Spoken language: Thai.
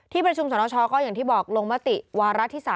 ประชุมสนชก็อย่างที่บอกลงมติวาระที่๓